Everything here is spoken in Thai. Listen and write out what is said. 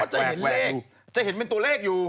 จะเห็นเลขจะเห็นเป็นตัวเลขอยู่